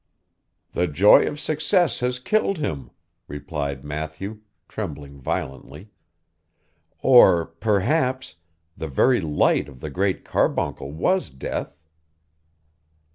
'The joy of success has killed him,' replied Matthew, trembling violently. 'Or, perhaps, the very light of the Great Carbuncle was death!